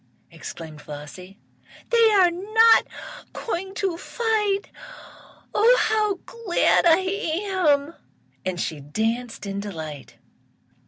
exclaimed Flossie. "They are not going to fight! Oh, how glad I am!" and she danced in delight.